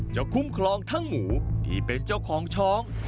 คุ้มครองทั้งหมูที่เป็นเจ้าของช้อง